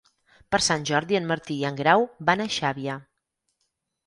Per Sant Jordi en Martí i en Grau van a Xàbia.